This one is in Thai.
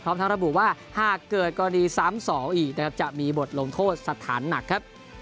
พร้อมทั้งระบุว่าหากเกิดกรณี๓๒อีกนะครับจะมีบทลงโทษสัดฐานหนักครับ